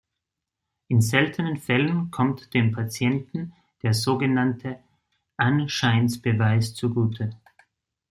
In seltenen Fällen kommt dem Patienten der sogenannte Anscheinsbeweis zugute.